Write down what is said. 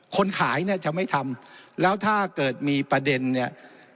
คนขายเนี่ยจะไม่ทำแล้วถ้าเกิดมีประเด็นเนี่ย